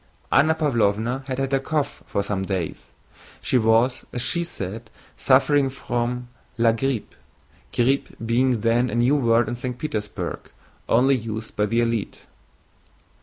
Anna Pávlovna had had a cough for some days. She was, as she said, suffering from la grippe; grippe being then a new word in St. Petersburg, used only by the elite.